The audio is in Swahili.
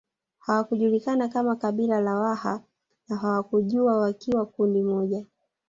Hawakujulikana kama kabila la Waha na hawakuja wakiwa kundi moja